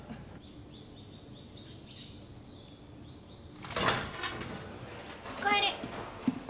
・おかえり。